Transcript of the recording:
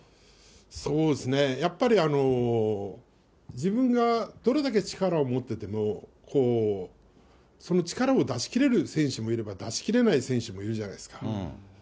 やっぱり、自分がどれだけ力を持ってても、その力を出しきれる選手もいれば、出しきれない選手もいるじゃないですか。